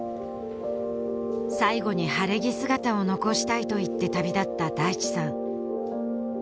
最後に晴れ着姿を残したいと言って旅立った大地さん